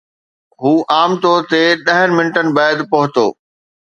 هو عام طور تي ڏهن منٽن بعد پهتو